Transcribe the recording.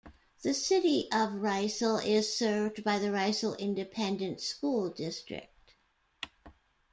The City of Riesel is served by the Riesel Independent School District.